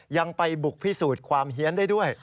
ยังไปบุกพิสูจน์ความเฮียนได้ด้วย